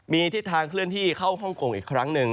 มีทิศทางเคลื่อนที่เข้าฮ่องกงอีกครั้งหนึ่ง